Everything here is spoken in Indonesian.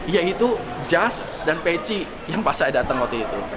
yaitu jas dan peci yang pas saya datang waktu itu